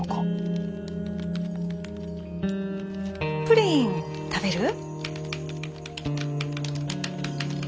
プリン食べる？